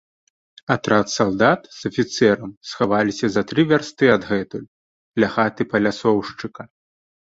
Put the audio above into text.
Атрад салдат з афіцэрам схаваліся за тры вярсты адгэтуль, ля хаты палясоўшчыка.